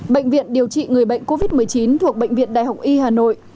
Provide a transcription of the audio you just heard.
bệnh viện điều trị người bệnh covid một mươi chín thuộc bệnh viện đại học y hà nội